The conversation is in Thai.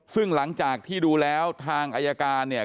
ซึ่งหลังจากที่ดูแล้วทางอายการเนี่ย